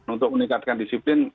untuk meningkatkan disiplin